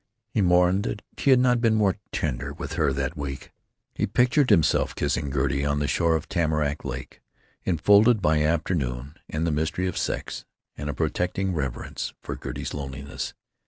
He mourned that he had not been more tender with her that week. He pictured himself kissing Gertie on the shore of Tamarack Lake, enfolded by afternoon and the mystery of sex and a protecting reverence for Gertie's loneliness.